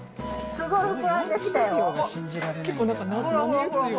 すごい膨らんできたよ。